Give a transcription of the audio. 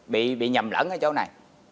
bị bị nhầm lẫn ở chỗ này